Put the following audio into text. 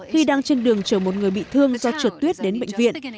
khi đang trên đường chở một người bị thương do trượt tuyết đến bệnh viện